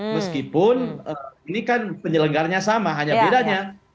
meskipun ini kan penyelenggaranya sama hanya bedanya